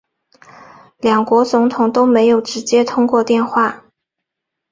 两国总统都没有直接通过电话